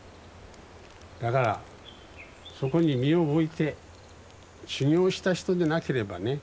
だからそこに身を置いて修行した人でなければね